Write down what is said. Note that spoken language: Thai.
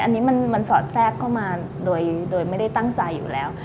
อันนี้มันสอดแทรกเข้ามาโดยไม่ได้ตั้งใจอยู่แล้ว